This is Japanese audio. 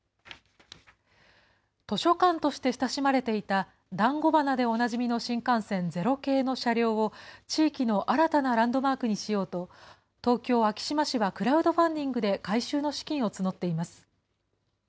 図書館として親しまれていただんご鼻でおなじみの新幹線、０系の車両を、地域の新たなランドマークにしようと、東京・昭島市はクラウドファンディングで改修の資金を募っています。